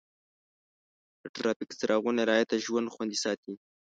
د ټرافیک څراغونو رعایت د ژوند خوندي ساتي.